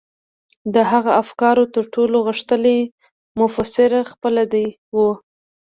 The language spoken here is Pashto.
د هغه د افکارو تر ټولو غښتلی مفسر خپله دی و.